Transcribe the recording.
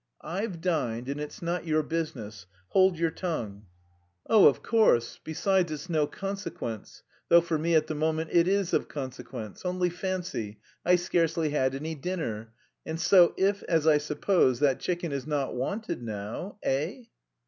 "I've dined, and it's not your business. Hold your tongue!" "Oh, of course; besides, it's no consequence though for me at the moment it is of consequence. Only fancy, I scarcely had any dinner, and so if, as I suppose, that chicken is not wanted now... eh?"